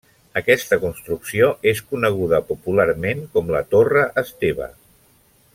Aquesta construcció és coneguda popularment com la Torre Esteve.